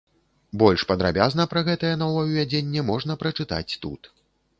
Больш падрабязна пра гэтае новаўвядзенне можна прачытаць тут.